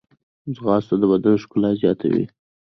ځغاسته د بدن ښکلا زیاتوي